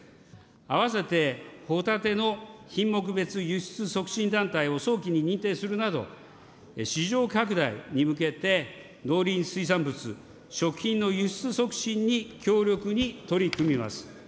あわせてホタテの品目別輸出促進団体を早期に認定するなど、市場拡大に向けて農林水産物・食品の輸出促進に強力に取り組みます。